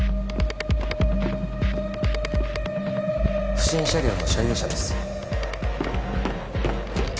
不審車両の所有者です